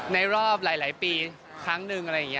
ในรอบหลายปีครั้งนึงอะไรอย่างนี้